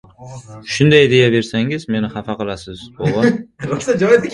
— Shunday deya bersangiz, meni xafa qilasiz, bova.